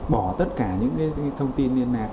bỏ tất cả những thông tin liên lạc